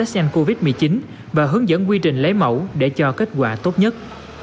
xem covid một mươi chín và hướng dẫn quy trình lấy mẫu để cho kết quả tốt nhất